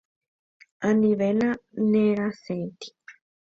Anivéna nerasẽti.